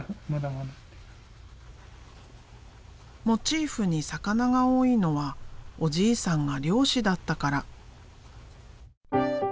モチーフに魚が多いのはおじいさんが漁師だったから。